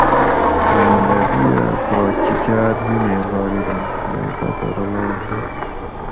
محمد نبی اۤ پا چیکاۤر نِینیں غاڑی دہ می پتہ روان ہُو